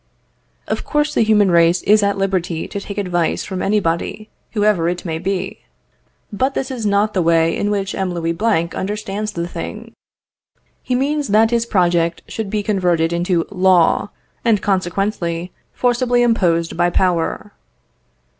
Of course the human race is at liberty to take advice from anybody, whoever it may be. But this is not the way in which M. Louis Blanc understands the thing. He means that his project should be converted into law, and, consequently, forcibly imposed by power.